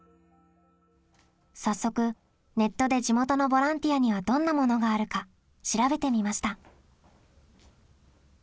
早速ネットで地元のボランティアにはどんなものがあるか調べてみました。